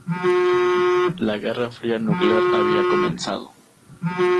La Guerra Fría Nuclear había comenzado.